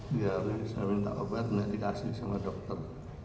di hari ini saya minta obat medikasi sama dokter